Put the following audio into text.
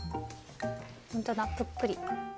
ほんとだぷっくり。